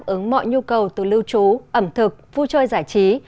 nó phát ứng mọi nhu cầu từ lưu trú ẩm thực vui chơi giải trí